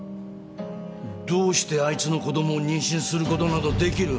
どうしてあいつの子供を妊娠することなどできる。